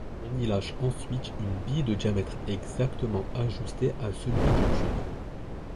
On y lâche ensuite une bille de diamètre exactement ajusté à celui du tube.